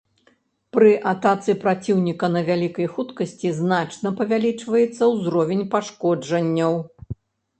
Пры атацы праціўніка на вялікай хуткасці значна павялічваецца ўзровень пашкоджанняў.